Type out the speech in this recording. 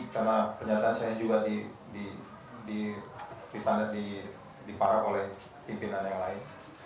karena pernyataan saya juga diparang oleh pimpinan yang lain